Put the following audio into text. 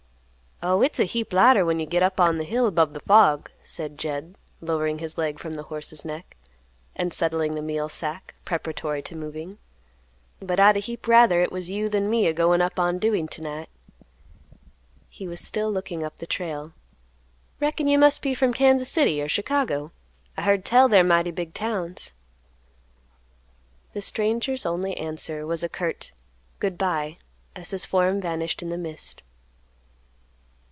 "Oh, hit's a heap lighter when you git up on th' hill 'bove th' fog," said Jed, lowering his leg from the horse's neck, and settling the meal sack, preparatory to moving. "But I'd a heap rather hit was you than me a goin' up on Dewey t'night." He was still looking up the trail. "Reckon you must be from Kansas City or Chicago? I heard tell they're mighty big towns." The stranger's only answer was a curt "Good by," as his form vanished in the mist.